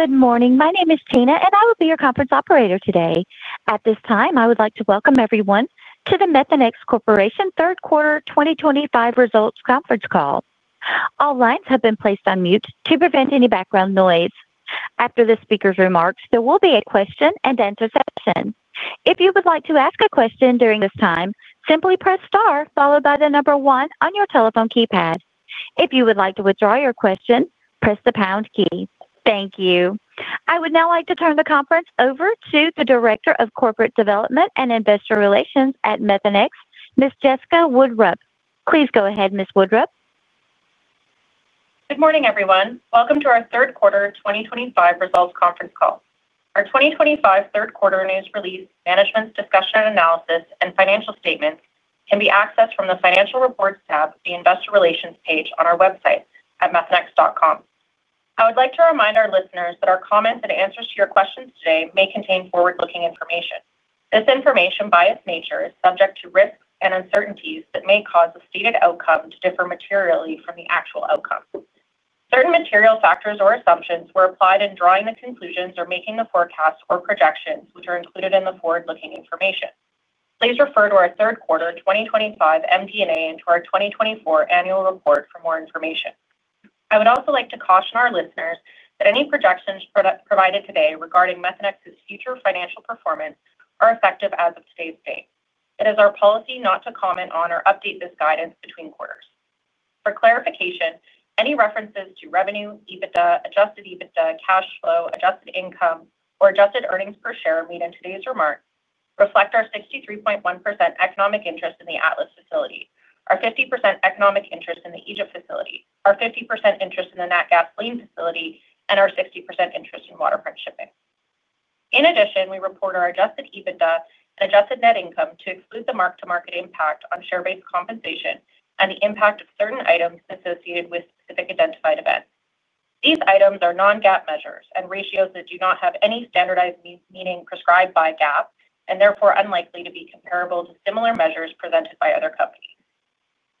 Good morning. My name is Tina and I will be your conference operator today. At this time I would like to welcome everyone to the Methanex Corporation third quarter 2025 results conference call. All lines have been placed on mute to prevent any background noise. After the speaker's remarks, there will be a question-and-answer session. If you would like to ask a question during this time, simply press star followed by the number one on your telephone keypad. If you would like to withdraw your question, press the pound key. Thank you. I would now like to turn the conference over to the Director of Corporate Development and Investor Relations at Methanex, Ms. Jessica Wood-Rupp. Please go ahead. Good morning everyone. Welcome to our third quarter 2025 results conference call. Our 2025 third quarter news release, Management's Discussion and Analysis, and financial statements can be accessed from the Financial Reports tab of the Investor Relations page on our website at methanex.com. I would like to remind our listeners that our comments and answers to your questions today may contain forward-looking information. This information by its nature is subject to risks and uncertainties that may cause the stated outcome to differ materially from the actual outcome. Certain material factors or assumptions were applied in drawing the conclusions or making the forecasts or projections which are included in the forward-looking information. Please refer to our third quarter 2025 MD&A and to our 2024 annual report for more information. I would also like to caution our listeners that any projections provided today regarding Methanex's future financial performance are effective as of today's date. It is our policy not to comment on or update this guidance between quarters. For clarification, any references to revenue, EBITDA, adjusted EBITDA, cash flow, adjusted net income, or adjusted earnings per share made in today's remarks reflect our 63.1% economic interest in the Atlas facility, our 50% economic interest in the Egypt facility, our 50% interest in the Natgasoline facility, and our 60% interest in Waterfront Shipping. In addition, we report our adjusted EBITDA and adjusted net income to exclude the mark-to-market impact on share-based compensation and the impact of certain items associated with specific identified events. These items are non-GAAP measures and ratios that do not have any standardized meaning prescribed by GAAP and therefore are unlikely to be comparable to similar measures presented by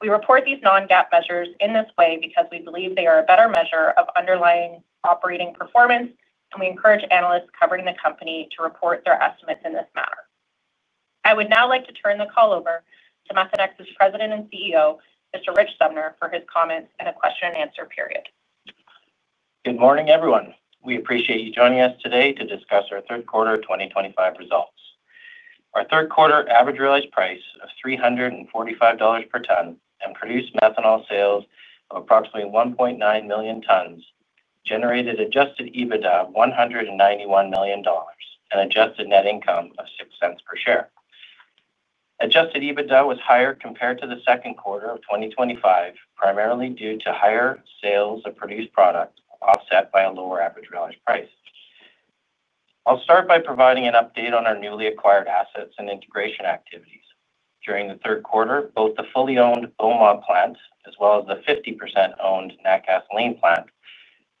other companies. We report these non-GAAP measures in this way because we believe they are a better measure of underlying operating performance and we encourage analysts covering the company to report their estimates in this manner. I would now like to turn the call over to Methanex's President and CEO, Mr. Rich Sumner, for his comments and a question-and-answer period. Good morning everyone. We appreciate you joining us today to discuss our third quarter 2025 results. Our third quarter average realized price of $345 per ton and produced methanol sales of approximately 1.9 million tons generated adjusted EBITDA of $191 million. An adjusted net income of $0.06 per share. Adjusted EBITDA was higher compared to the second quarter of 2025 primarily due to higher sales of produced product, offset by a lower average realized price. I'll start by providing an update on our newly acquired assets and integration activities during the third quarter. Both the fully owned Beaumont plant as well as the 50% owned Natgasoline plant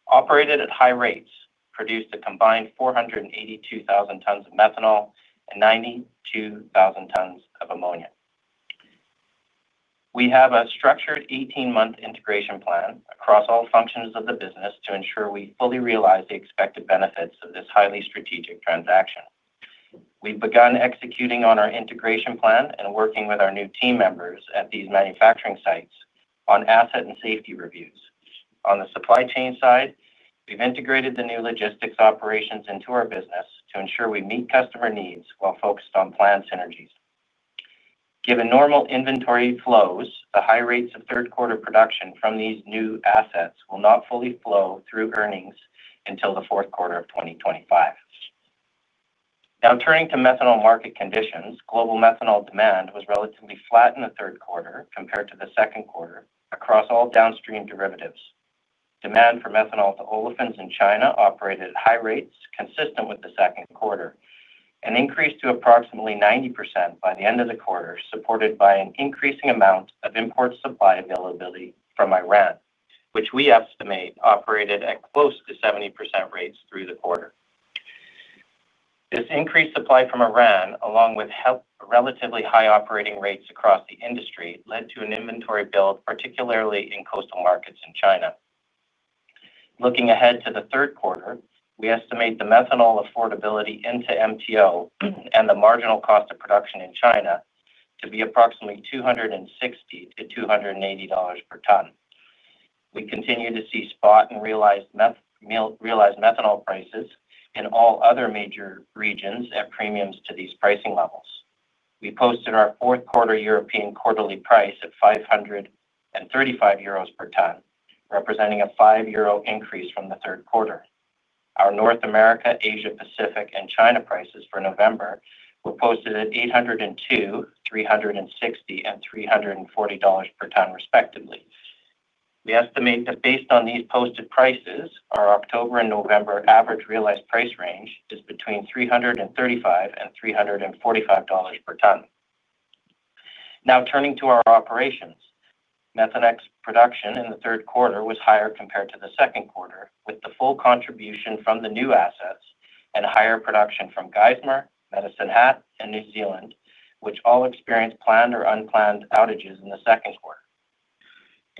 operated at high rates, produced a combined 482,000 tons of methanol and 92,000 tons of ammonia. We have a structured 18-month integration plan across all functions of the business to ensure we fully realize the expected benefits of this highly strategic transaction. We've begun executing on our integration plan and working with our new team members at these manufacturing sites on asset and safety reviews. On the supply chain side, we've integrated the new logistics operations into our business to ensure we meet customer needs while focused on planned synergies. Given normal inventory flows, the high rates of third quarter production from these new assets will not fully flow through earnings until the fourth quarter of 2025. Now turning to methanol market conditions, global methanol demand was relatively flat in the third quarter compared to the second quarter. Across all downstream derivatives, demand for methanol to olefins in China operated at high rates consistent with the second quarter, an increase to approximately 90% by the end of the quarter supported by an increasing amount of import supply availability from Iran, which we estimate operated at close to 70% rates through the quarter. This increased supply from Iran, along with relatively high operating rates across the industry, led to an inventory build, particularly in coastal markets in China. Looking ahead to the third quarter, we estimate the methanol affordability into MTO and the marginal cost of production in China to be approximately $260-$280 per ton. We continue to see spot and realized methanol prices in all other major regions at premiums to these pricing levels. We posted our fourth quarter European quarterly price of 535 euros per ton, representing a 5 euro increase from the third quarter. Our North America, Asia Pacific and China prices for November were posted at $802, $360 and $340 per ton respectively. We estimate that based on these posted prices, our October and November average realized price range is between $335 and $345 per ton. Now turning to our operations, Methanex production in the third quarter was higher compared to the second quarter, with the full contribution from the new assets and higher production from Geismar, Medicine Hat and New Zealand, which all experienced planned or unplanned outages in the second quarter.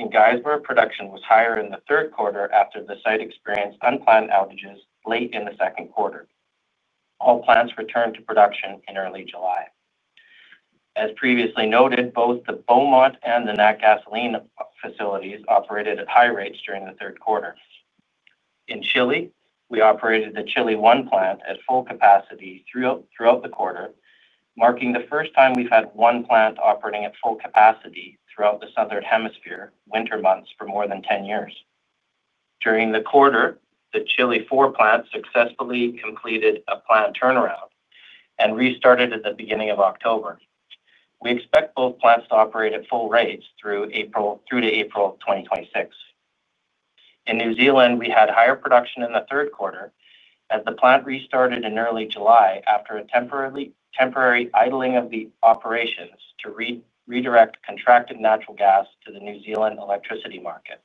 In Geismar, production was higher in the third quarter after the site experienced unplanned outages late in the second quarter. All plants returned to production in early July. As previously noted, both the Beaumont and the Natgasoline facilities operated at high rates during the third quarter. In Chile, we operated the Chile I plant at full capacity throughout the quarter, marking the first time we've had one plant operating at full capacity throughout the Southern Hemisphere winter months for more than 10 years. During the quarter, the Chile IV plant successfully completed a plant turnaround and restarted at the beginning of October. We expect both plants to operate at full rates through to April 2026. In New Zealand, we had higher production in the third quarter as the plant restarted in early July after a temporary idling of the operations to redirect contracted natural gas to the New Zealand electricity market.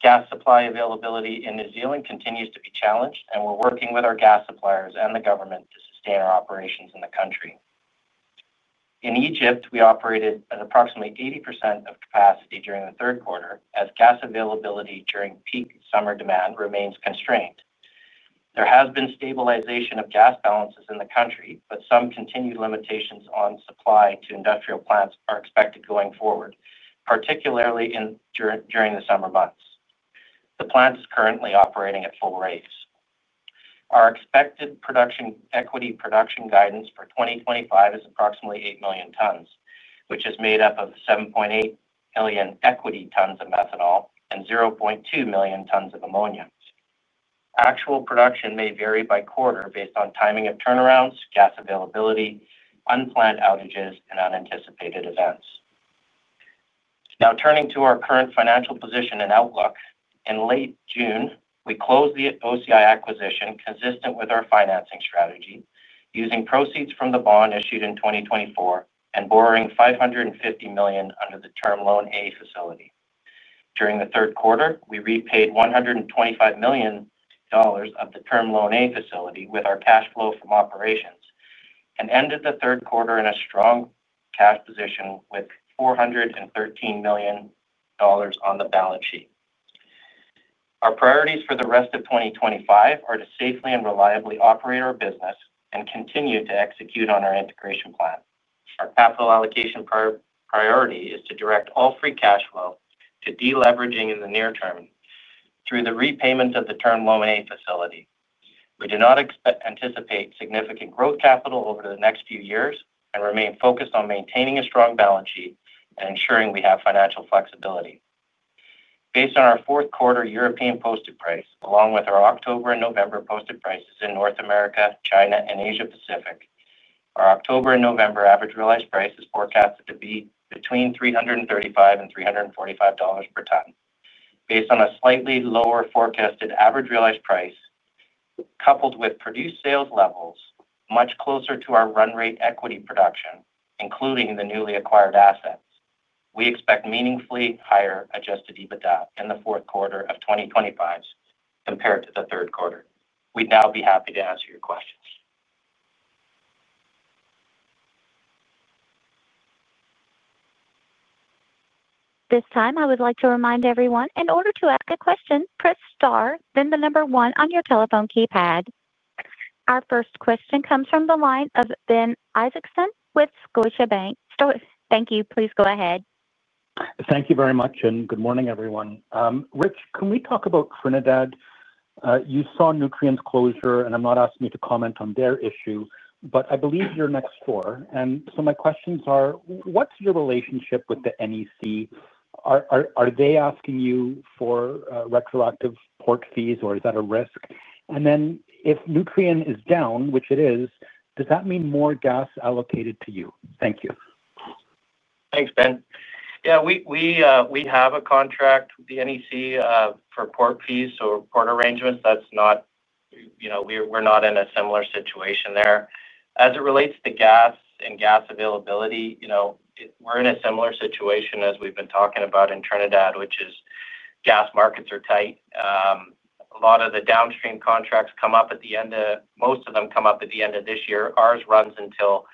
Gas supply availability in New Zealand continues to be challenged and we're working with our gas suppliers and the government to sustain our operations in the country. In Egypt, we operated at approximately 80% of capacity during the third quarter as gas availability during peak summer demand remains constrained. There has been stabilization of gas balances in the country, but some continued limitations on supply to industrial plants are expected going forward, particularly during the summer months. The plant is currently operating at full rates. Our expected equity production guidance for 2025 is approximately 8 million tons, which is made up of 7.8 million equity tons of methanol and 0.2 million tons of ammonia. Actual production may vary by quarter based on timing of turnarounds, gas availability, unplanned outages and unanticipated events. Now turning to our current financial position and outlook, in late June we closed the OCI acquisition consistent with our financing strategy, using proceeds from the bond issued in 2024 and borrowing $550 million under the Term Loan A facility. During the third quarter, we repaid $125 million of the Term Loan A facility with our cash flow from operations and ended the third quarter in a strong cash position with $413 million on the balance sheet. Our priorities for the rest of 2025 are to safely and reliably operate our business and continue to execute on our integration plan. Our capital allocation priority is to direct all free cash flow to deleveraging in the near term through the repayment of the Term Loan A facility. We do not anticipate significant growth capital over the next few years and remain focused on maintaining a strong balance sheet and ensuring we have financial flexibility. Based on our fourth quarter European posted price along with our October and November posted prices in North America, China, and Asia Pacific, our October and November average realized price is forecasted to be between $335 and $345 per ton. Based on a slightly lower forecasted average realized price coupled with produced sales levels much closer to our run-rate equity production, including the newly acquired assets, we expect meaningfully higher adjusted EBITDA in the fourth quarter of 2025 compared to the third quarter. We'd now be happy to answer your question. This time, I would like to remind everyone, in order to ask a question, press star, then the number one on your telephone keypad. Our first question comes from the line of Ben Isaacson with Scotiabank. Thank you. Please go ahead. Thank you very much and good morning everyone. Rich, can we talk about Trinidad? You saw Nutrien's closure and I'm not asking you to comment on their issue, but I believe you're next door. My questions are, what's your relationship with the NGC? Are they asking you for retroactive port fees or is that a risk? If Nutrien is down, which it is, does that mean more gas allocated to you? Thank you. Thanks, Ben. We have a contract with the NGC for port fees. Port arrangements, that's not, you know, we're not in a similar situation there. As it relates to gas and gas availability, we're in a similar situation as we've been talking about in Trinidad, which is gas markets are tight. A lot of the downstream contracts come up at the end of this year. Ours runs until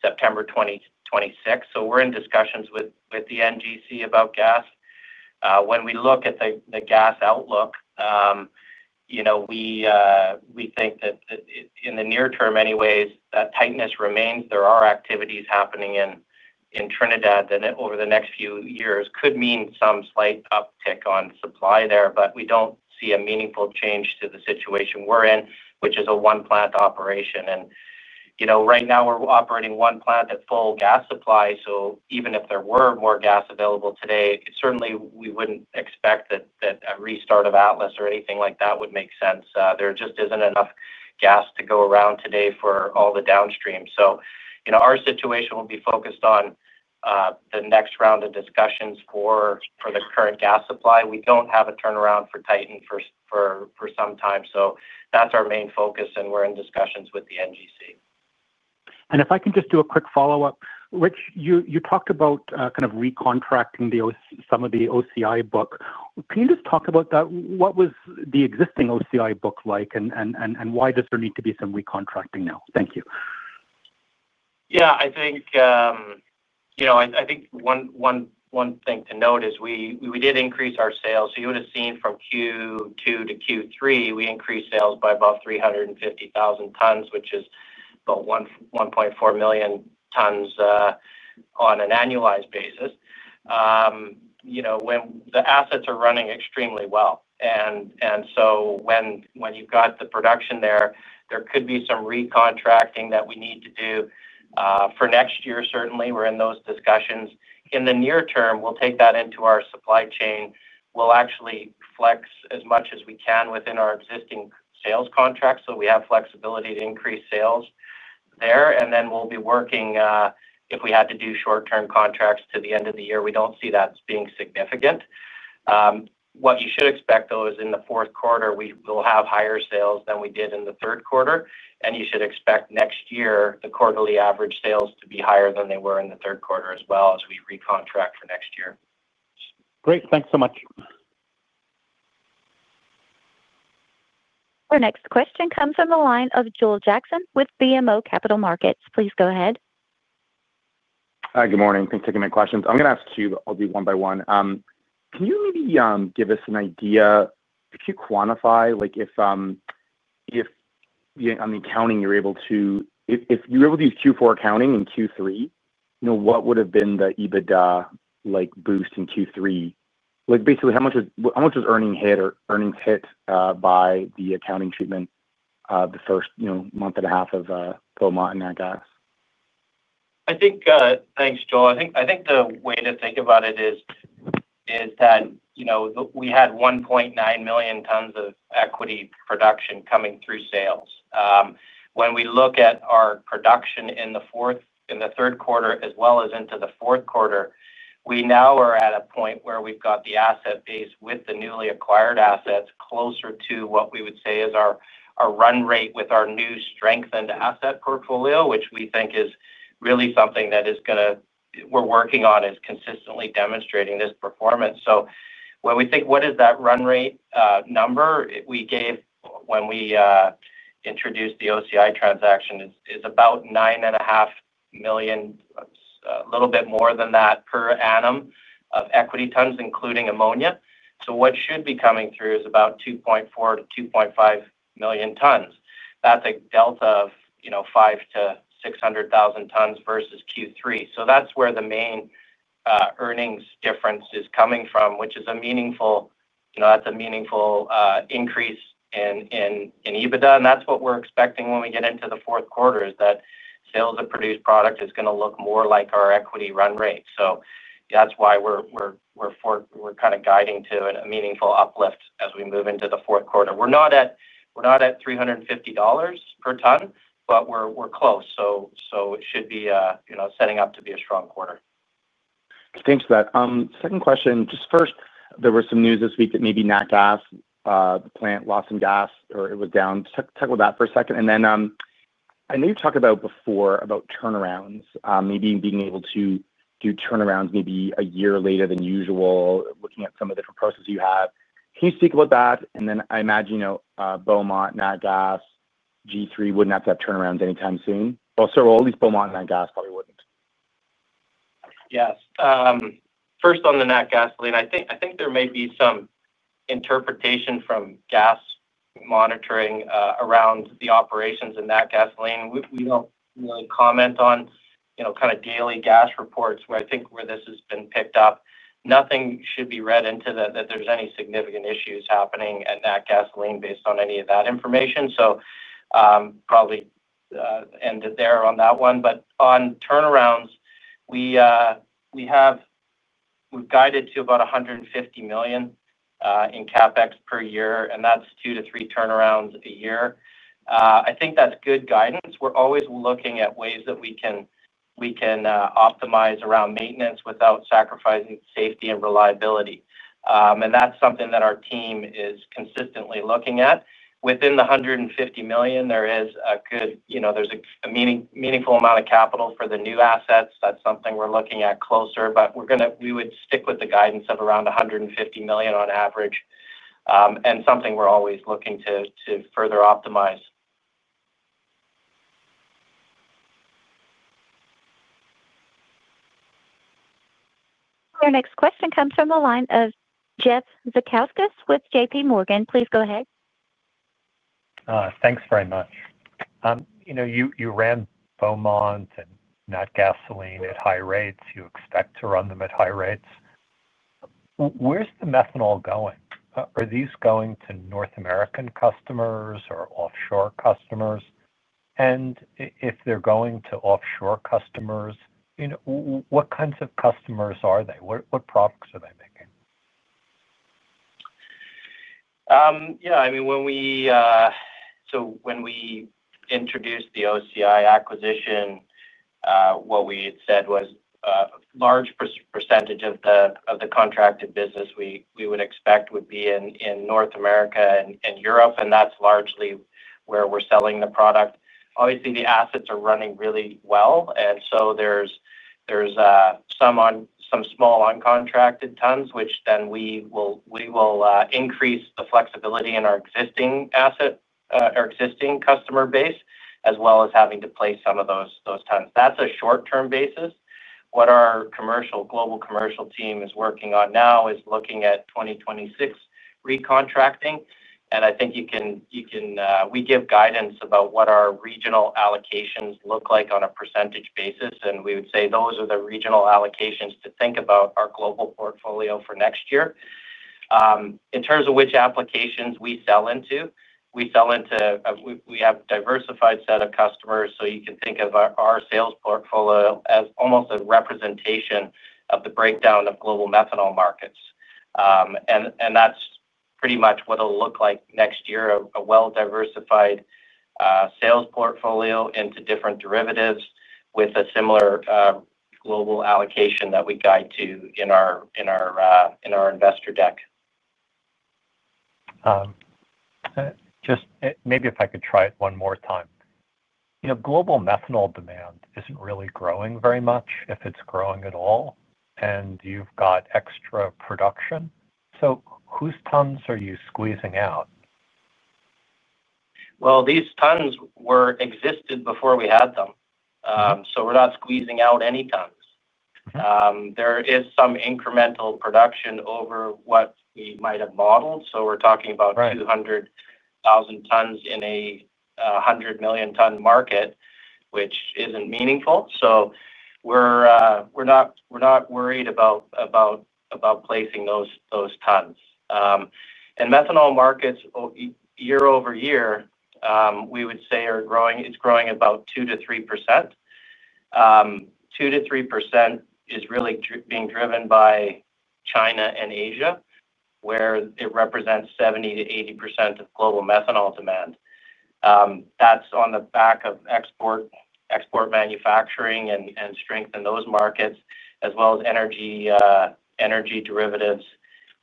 September 2026. We're in discussions with the NGC about gas. When we look at the gas outlook, we think that in the near term anyways, that tightness remains. There are activities happening in Trinidad over the next few years that could mean some slight uptick on supply there, but we don't see a meaningful change to the situation we're in, which is a one plant operation. Right now we're operating one plant at full gas supply. Even if there were more gas available today, certainly we wouldn't expect that a restart of Atlas or anything like that would make sense. There just isn't enough gas to go around today for all the downstream. Our situation will be focused on the next round of discussions for the current gas supply. We don't have a turnaround for Titan for some time. That's our main focus and we're in discussions with the NGC. If I can just do a quick follow up. Rich, you talked about kind of recontracting some of the OCI book. Can you just talk about that? What was the existing OCI book like and why does there need to be some recontracting now? Thank you. Yeah, I think one thing to note is we did increase our sales. You would have seen from Q2 to Q3 we increased sales by about 350,000 tons, which is about 1.4 million tonnes on an annualized basis. When the assets are running extremely well and when you've got the production there, there could be some recontracting that we need to do for next year. Certainly we're in those discussions. In the near term we'll take that into our supply chain. We'll actually flex as much as we can within our existing sales contract, so we have flexibility to increase sales there, and then we'll be working. If we had to do short-term contracts to the end of the year, we don't see that being significant. What you should expect, though, is in the fourth quarter we will have higher sales than we did in the third quarter, and you should expect next year the quarterly average sales to be higher than they were in the third quarter as well as we re-contract for next year. Great, thanks so much. Our next question comes from the line of Joel Jackson with BMO Capital Markets. Please go ahead. Good morning. Thanks for taking my questions. I'm going to ask two. I'll do one by one. Can you maybe give us an idea? Could you quantify like if on the accounting you're able to, if you were able to use Q4 accounting in Q3, what would have been the EBITDA like boost in Q3? Like basically how much was earnings hit by the accounting treatment the first month and a half of Beaumont and Natgasoline, I think. Thanks Joel. I think the way to think about it is that we had 1.9 million tons of equity production coming through sales. When we look at our production in the third quarter as well as into the fourth quarter, we now are at a point where we've got the asset base with the newly acquired assets closer to what we would say is our run rate with our new strengthened asset portfolio, which we think is really something that is going to, we're working on is consistently demonstrating this performance. When we think what is that run rate number we gave when we introduced the OCI transaction, it is about 9.5 million, a little bit more than that per annum of equity tons including ammonia. What should be coming through is about 2.4 million-2.5 million tons. That's a delta of 500,000-600,000 tons versus Q3. That's where the main earnings difference is coming from, which is a meaningful, you know, that's a meaningful increase in EBITDA and that's what we're expecting when we get into the fourth quarter is that sales of produced product is going to look more like our equity run rate. That's why we're kind of guiding to a meaningful uplift as we move into the fourth quarter. We're not at, we're not at $350 per ton but we're close. It should be setting up to be a strong quarter. Thanks for that. Second question, just first there were some news this week that maybe Natgas plant lost some gas or it was down. Tackle that for a second and then I know you talked about before about turnarounds maybe being able to do turnarounds maybe a year later than usual. Looking at some of the processes you have. Can you speak about that? I imagine, you know, Beaumont, Natgas, G3 wouldn't have to have turnarounds anytime soon. At least Beaumont Natgasoline probably wouldn't. Yes. First on the Natgas, I think there may be some interpretation from gas monitoring around the operations in Natgasoline. We don't really comment on, you know, kind of daily gas reports where I think where this has been picked up. Nothing should be read into that there's any significant issues happening at Natgasoline based on any of that information. I'll probably end there on that one. On turnarounds, we've guided to about $150 million in CapEx per year and that's two to three turnarounds a year. I think that's good guidance. We're always looking at ways that we can optimize around maintenance without sacrificing safety and reliability, and that's something that our team is consistently looking at. Within the $150 million, there is a good, you know, there's a meaningful amount of capital for the new assets. That's something we're looking at closer, but we would stick with the guidance of around $150 million on average and that's something we're always looking to further optimize. Our next question comes from the line of Jeff Zekauskas with JPMorgan. Please go ahead. Thanks very much. You know you ran Beaumont and Natgasoline at high rates. You expect to run them at high rates. Where's the methanol going? Are these going to North American customers or offshore customers? If they're going to offshore customers, what kinds of customers are they, what products are they making? Yeah, I mean when we, so when we introduced the OCI acquisition, what we had said was a large percentage of the contracted business we would expect would be in North America and Europe. That's largely where we're selling the product. Obviously the assets are running really well and there's some small uncontracted tons which then we will increase the flexibility in our existing asset or existing customer base as well as having to place some of those tons. That's a short-term basis. What our global commercial team is working on now is looking at 2026 recontracting and I think we give guidance about what our regional allocations look like on a percentage basis and we would say those are the regional allocations. To think about our global portfolio for next year in terms of which applications we sell into, we have a diversified set of customers. You can think of our sales portfolio as almost a representation of the break of global methanol markets. That's pretty much what it'll look like next year. A well-diversified sales portfolio into different derivatives with a similar global allocation that we guide to in our investor deck. Just maybe if I could try it one more time. Global methanol demand really growing very much if it's growing at all and you've got extra production. Whose tons are you squeezing out? These tons existed before we had them so we're not squeezing out any tons. There is some incremental production over what we might have modeled. We're talking about 200,000 tons in a 100 million ton market which isn't meaningful. We're not worried about placing those tons and methanol markets year over year we would say are growing, it's growing about 2%-3%. 2%-3% is really being driven by China and Asia where it represents 70%-80% of global methanol demand. That's on the back of export, manufacturing and strength in those markets as well as energy derivatives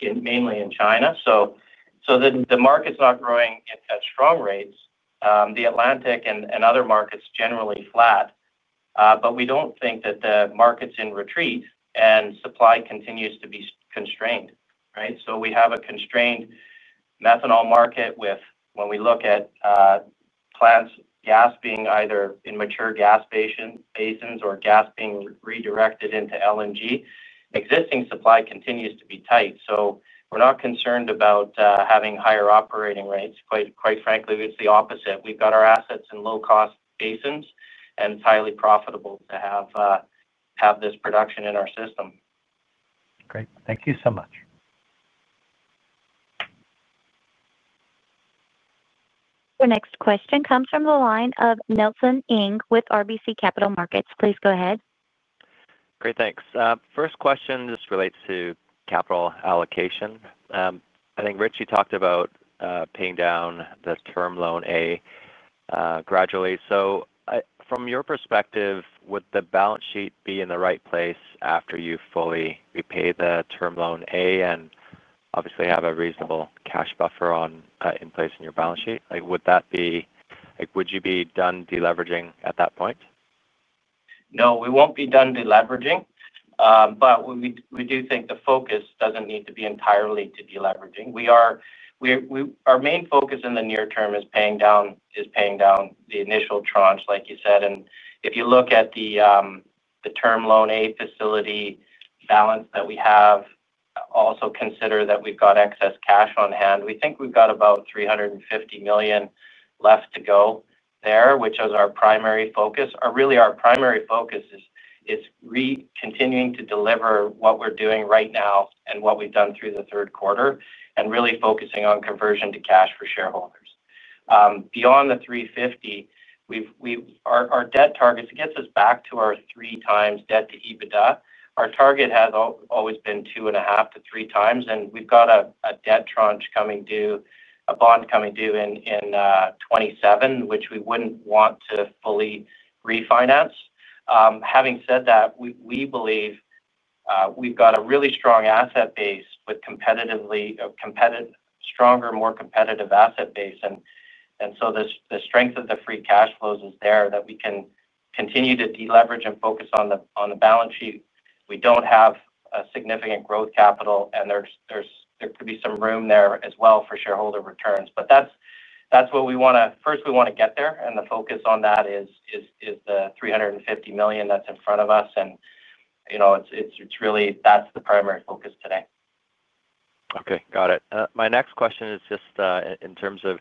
mainly in China. The market's not growing at strong rates. The Atlantic and other markets generally flat. We don't think that the market's in retreat, and supply continues to be constrained. We have a constrained methanol market. When we look at plants, gas being either immature gas basins or gas being redirected into LNG, existing supply continues to be tight. We're not concerned about having higher operating rates. Quite frankly, it's the opposite. We've got our assets in low-cost basins, and it's highly profitable to have this production in our system. Great, thank you so much. The next question comes from the line of Nelson Ng with RBC Capital Markets. Please go ahead. Great, thanks. First question just relates to capital allocation, I think. Rich, you talked about paying down the Term Loan A gradually. From your perspective, would the balance sheet be in the right place after you fully repay the Term Loan A and obviously have a reasonable cash buffer in place in your balance sheet, would you be done deleveraging at that point? No, we won't be done deleveraging, but we do think the focus doesn't need to be entirely to deleveraging. Our main focus in the near term is paying down the initial tranche like you said. If you look at the Term Loan A facility balance that we have, also consider that we've got excess cash on hand. We think we've got about $350 million left to go there, which is our primary focus. Our primary focus is continuing to deliver what we're doing right now and what we've done through the third quarter, and really focusing on conversion to cash for shareholders. Beyond the $350 million, our debt targets get us back to our three times debt to EBITDA. Our target has always been two and a half to three times. We've got a debt tranche coming due, a bond coming due in 2027, which we wouldn't want to fully refinance. Having said that, we believe we've got a really strong asset base with a more competitive asset base, and the strength of the free cash flows is there that we can continue to deleverage and focus on the balance sheet. We don't have significant growth capital, and there could be some room there as well for shareholder returns. First, we want to get there, and the focus on that is the $350 million that's in front of us, and that's the primary focus today. Okay, got it. My next question is just in terms of,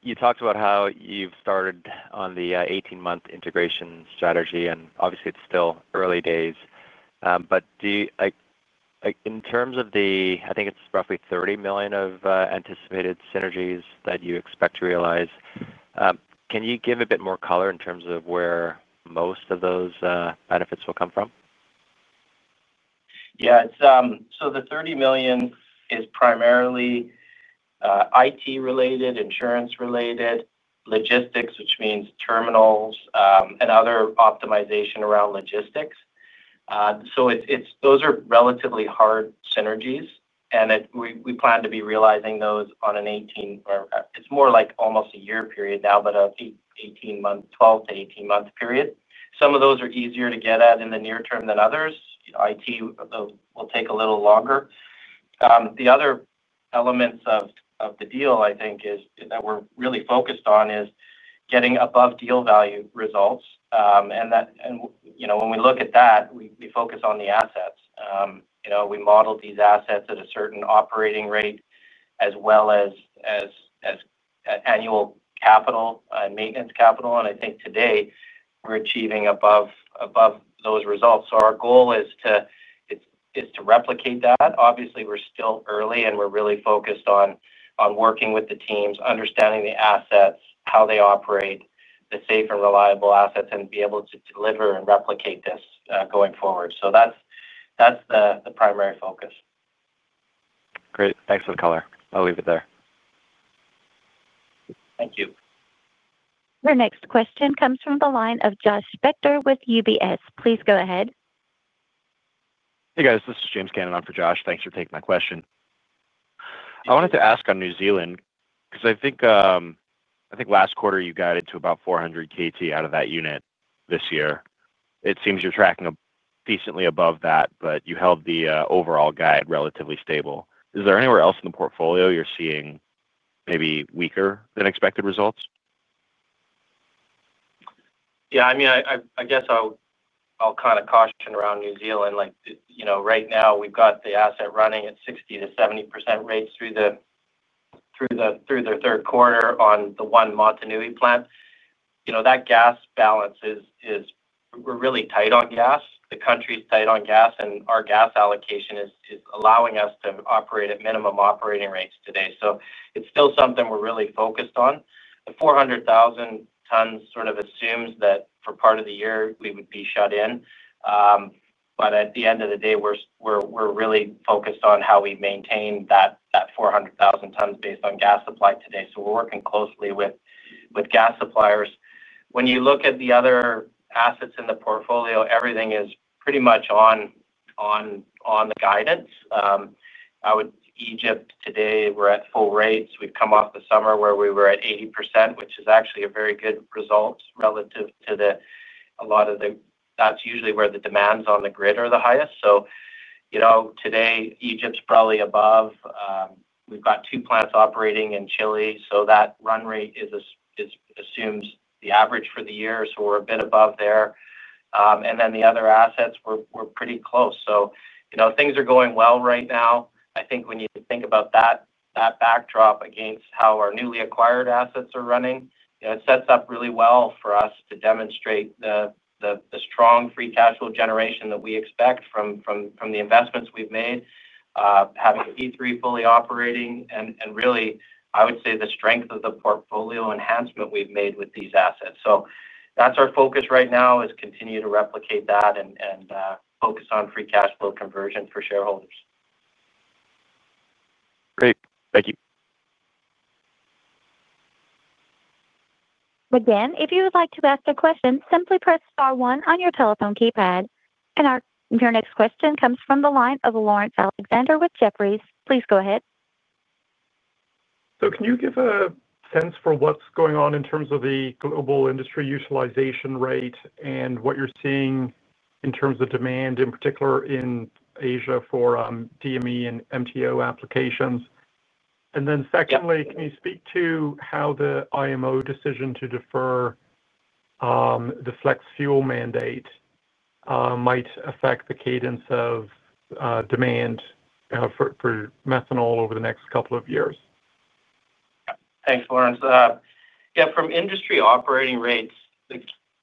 you talked about how you've started on the 18-month integration strategy and obviously it's still early days, but in terms of the, I think it's roughly $30 million of anticipated synergies that you expect to realize. Can you give a bit more color in terms of where most of those benefits will come from? Yeah. The $30 million is primarily IT-related, insurance-related, logistics, which means terminals and other optimization around logistics. Those are relatively hard synergies, and we plan to be realizing those on an 18 months, it's more like almost a year period now, but 18 months, 12 month-18 month period. Some of those are easier to get at in the near term than others. It will take a little longer. The other elements of the deal I think that we're really focused on is getting above deal value results. When we look at that, we focus on the assets. We model these assets at a certain operating rate as well as annual capital and maintenance capital. I think today we're achieving above those results. Our goal is to replicate that. Obviously, we're still early and we're really focused on working with the teams, understanding the assets, how they operate, the safe and reliable assets, and being able to deliver and replicate this going forward. That's the primary focus. Great. Thanks for the color. I'll leave it there. Thank you. Your next question comes from the line of Josh Spector with UBS. Please go ahead. Hey guys, this is James Cannon on for Josh. Thanks for taking my question. I wanted to ask on New Zealand because I think last quarter you guided to about 400,000 tons out of that unit. This year it seems you're tracking decently above that, but you held the overall guide relatively stable. Is there anywhere else in the portfolio you're seeing maybe weaker than expected results? Yeah, I mean I guess I'll kind of caution around New Zealand. Right now we've got the asset running at 60%-70% rates through the third quarter on the one Motunui plant. That gas balance is, we're really tight on gas. The country's tight on gas and our gas allocation is allowing us to operate at minimum operating rates today. It's still something we're really focused on. The 400,000 tons sort of assumes that for part of the year we would be shut in. At the end of the day we're really focused on how we maintain that 400,000 tons based on gas supply today. We're working closely with gas suppliers. When you look at the other assets in the portfolio, everything is pretty much on the guidance. Egypt today we're at full rates. We've come off the summer where we were at 80%, which is actually a very good result relative to a lot of the, that's usually where the demands on the grid are the highest. Today Egypt's probably above. We've got two plants operating in Chile, so that run rate assumes the average for the year. We're a bit above there. The other assets were pretty close. Things are going well right now. I think when you think about that backdrop against how our newly acquired assets are running, it sets up really well for us to demonstrate the strong free cash flow generation that we expect from the investments we've made having G3 fully operating and really I would say the strength of the portfolio enhancement we've made with these assets. That's our focus right now is continue to replicate that and focus on free cash flow conversion for shareholders. Great, thank you. If you would like to ask a question, simply press star one on your telephone keypad. Your next question comes from the line of Laurence Alexander with Jefferies. Please go ahead. Can you give a sense for what's going on in terms of the global industry utilization rate and what you're seeing in terms of demand in particular in Asia for DME and MTO applications? Secondly, can you speak to how the IMO decision to defer the flex fuel mandate might affect the cadence of demand for methanol over the next couple of years? Thanks, Laurence. From industry operating rates, the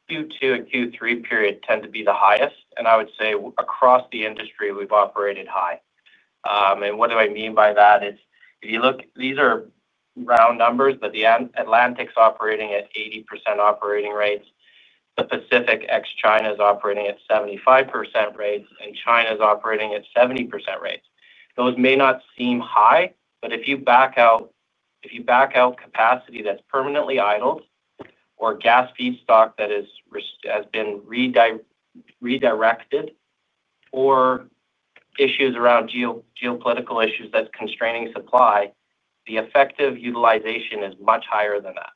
Q2 and Q3 period tend to be the highest and I would say across the industry we've operated high. What do I mean by that? If you look, these are round numbers, but the Atlantic's operating at 80% operating rates, the Pacific ex China is operating at 75% rates, and China's operating at 70% rates. Those may not seem high, but if you back out capacity that's permanently idled or gas feedstock that has been redirected, or issues around geopolitical issues that's constraining supply, the effective utilization is much higher than that.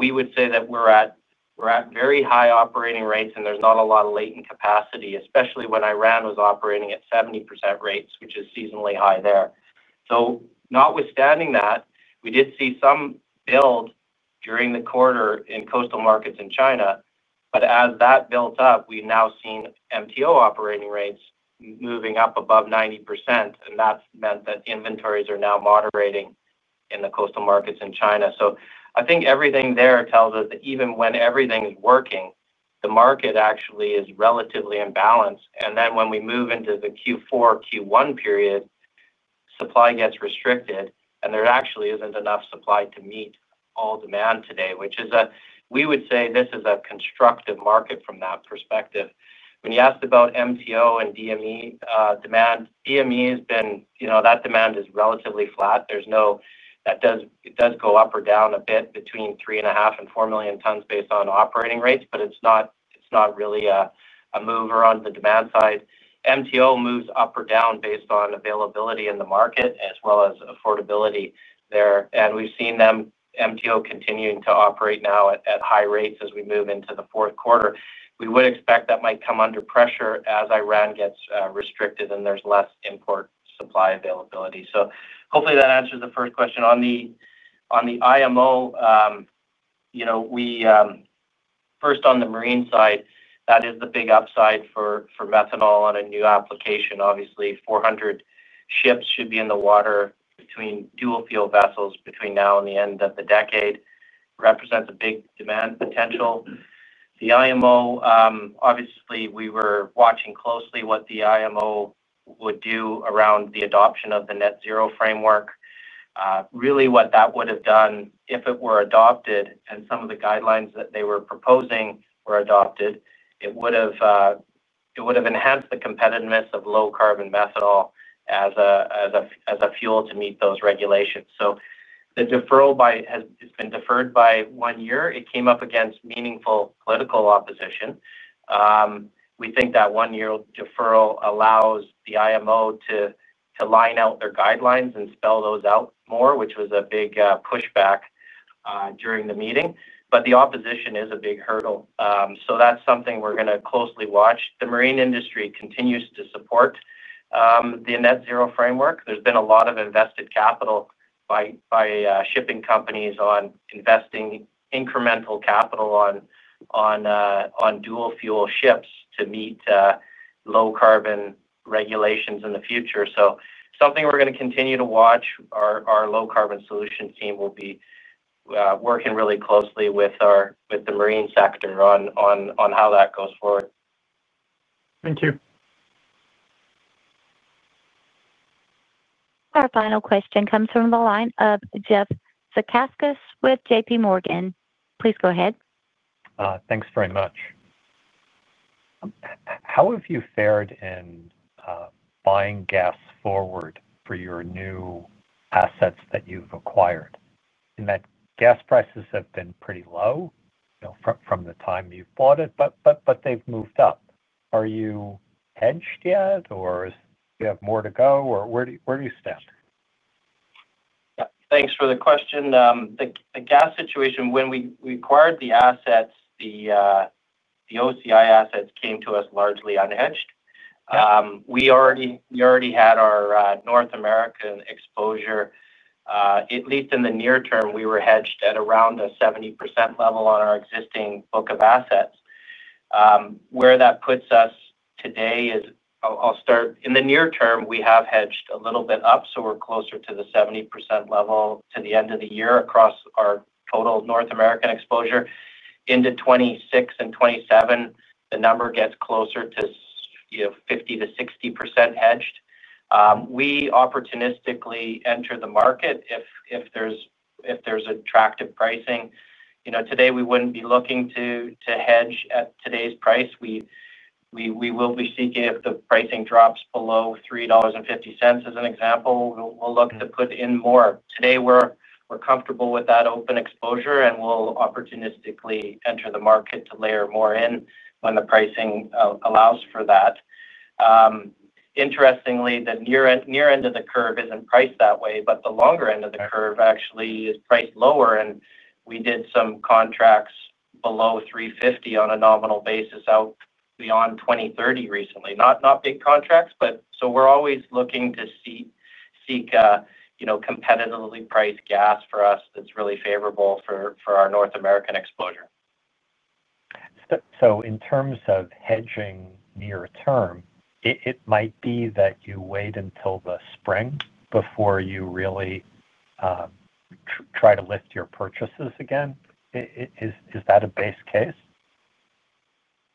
We would say that we're at very high operating rates and there's not a lot of latent capacity, especially when Iran was operating at 70% rates, which is seasonally high there. Notwithstanding that, we did see some build during the quarter in coastal markets in China. As that built up, we've now seen MTO operating rates moving up above 90% and that's meant that inventories are now moderating in the coastal markets in China. I think everything there tells us that even when everything is working, the market actually is relatively imbalanced. When we move into the Q4, Q1 period, supply gets restricted and there actually isn't enough supply to meet all demand today, which is a, we would say this is a constructive market. From that perspective, when you asked about MTO and DME demand, DME demand is relatively flat. It does go up or down a bit between 3.5 million and 4 million tons based on operating rates, but it's not really a move around the demand side. MTO moves up or down based on availability in the market as well as affordability there. We've seen MTO continuing to operate now at high rates. As we move into the fourth quarter, we would expect that might come under pressure as Iran gets restricted and there's less import supply availability. Hopefully that answers the first question on the IMO. First, on the marine side, that is the big upside for methanol on a new application. Obviously, 400 ships should be in the water between dual fuel vessels between now and the end of the decade, which represents a big demand potential. The IMO, obviously, we were watching closely what the IMO would do around the adoption of the Net-Zero Framework. Really, what that would have done if it were adopted and some of the guidelines that they were proposing were adopted, it would have enhanced the competitiveness of low carbon methanol as a fuel to meet those regulations. The deferral has been deferred by one year. It came up against meaningful political opposition. We think that one year deferral allows the IMO to line out their guidelines and spell those out more, which was a big pushback during the meeting. The opposition is a big hurdle, so that's something we're going to closely watch. The marine industry continues to support the Net-Zero Framework. There's been a lot of invested capital by shipping companies on investing incremental capital on dual fuel ships to meet low carbon regulations in the future. That's something we're going to continue to watch. Our Low Carbon Solutions team will be working really closely with the marine sector on how that goes forward. Thank you. Our final question comes from the line of Jeff Zekauskas with JPMorgan. Please go ahead. Thanks very much. How have you fared in buying gas forward for your new assets that you've acquired? In that gas prices have been pretty low from the time you bought it, but they've moved up. Are you hedged yet or you have more to go or where do you stand? Thanks for the question. The gas situation, when we acquired the assets, the OCI assets came to us largely unhedged. We already had our North American exposure at least in the near term. We were hedged at around a 70% level on our existing book of assets. Where that puts us today is I'll start in the near term. We have hedged a little bit up so we're closer to the 70% level to the end of the year across our total North American exposure. Into 2026 and 2027, the number gets closer to 50%-60% hedged. We opportunistically enter the market if there's attractive pricing. Today we wouldn't be looking to hedge at today's price. We will be seeking if the pricing drops below $3.50 as an example, we'll look to put in more. Today we're comfortable with that open exposure and we'll opportunistically enter the market to layer more in when the pricing allows for that. Interestingly, the near end of the curve isn't priced that way, but the longer end of the curve actually is priced lower. We did some contracts below $3.50 on a nominal basis out beyond 2030 recently. Not big contracts, but we're always looking to seek competitively priced gas for us that's really favorable for our North American exposure. In terms of hedging near term, it might be that you wait until the spring before you really try to lift your purchases again. Is that a base case?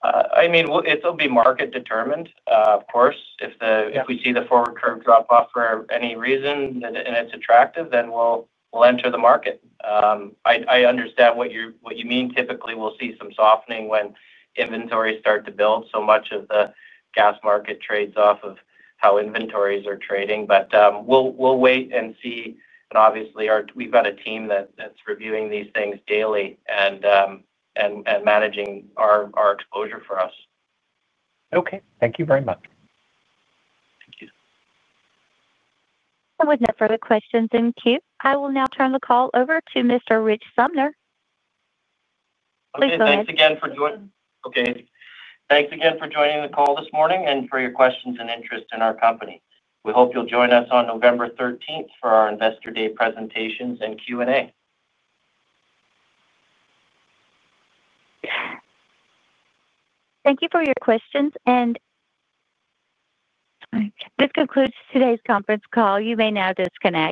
I mean, it'll be market determined. Of course, if we see the forward curve drop off for any reason and it's attractive, then we'll enter the market. I understand what you mean. Typically we'll see some softening when inventories start to build. Much of the gas market trades off of how inventories are trading. We'll wait and see and obviously we've got a team that's reviewing these things daily and managing our exposure for us. Okay, thank you very much. Thank you. With no further questions in queue, I will now turn the call over to Mr. Rich Sumner. Thanks again for joining the call this morning and for your questions and interest in our company. We hope you'll join us on November 13th for our Investor Day presentations and Q&A. Thank you for your questions. This concludes today's conference call. You may now disconnect.